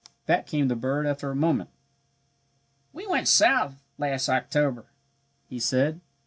Back came the bird after a moment. "We went south last October," he said.